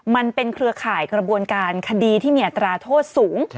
เครือข่ายกระบวนการคดีที่มีอัตราโทษสูง